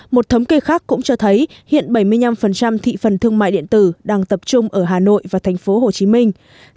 một thống kê khác cũng cho thấy hiện bảy mươi năm thị phần thương mại điện tử đang tập trung ở hà nội và thành phố hồ chí minh